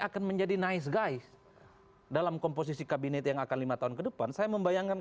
akan menjadi nice guys dalam komposisi kabinet yang akan lima tahun kedepan saya membayangkan